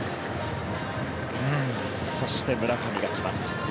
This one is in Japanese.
そして、村上が来ます。